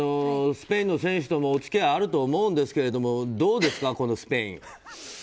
スペインの選手ともお付き合いあると思うんですけどどうですか、このスペイン。